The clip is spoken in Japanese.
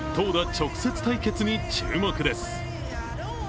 直接対決に注目です。